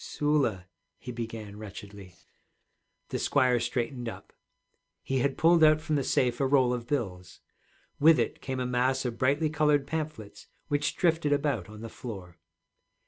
'Sula,' he began wretchedly. The squire straightened up. He had pulled out from the safe a roll of bills. With it came a mass of brightly colored pamphlets which drifted about on the floor.